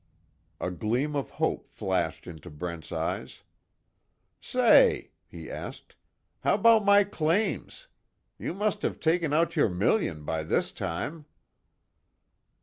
A gleam of hope flashed into Brent's eyes: "Say," he asked, "How about my claims? You must have taken out your million by this time."